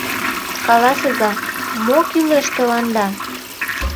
— Каласыза, мо кӱлеш тыланда?!